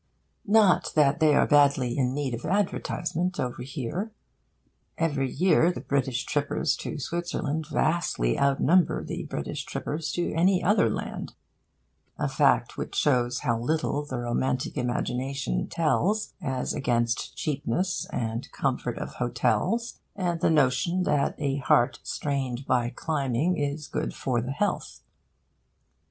Not that they are badly in need of advertisement over here. Every year the British trippers to Switzerland vastly outnumber the British trippers to any other land a fact which shows how little the romantic imagination tells as against cheapness and comfort of hotels and the notion that a heart strained by climbing is good for the health.